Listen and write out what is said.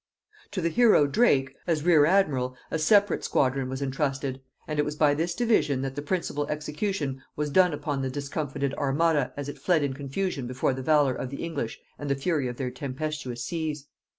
To the hero Drake, as rear admiral, a separate squadron was intrusted; and it was by this division that the principal execution was done upon the discomfited armada as it fled in confusion before the valor of the English and the fury of their tempestuous seas.